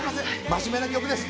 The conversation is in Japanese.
真面目な曲です。